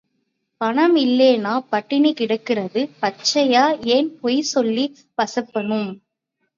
பணம் இல்லேன்னா பட்டினி கிடக்குறது பச்சையா ஏன் பொய் சொல்லி பசப்பனும்?